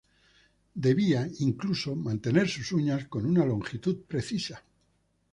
Debía, incluso, mantener sus uñas con una longitud precisa.